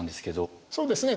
そうですね。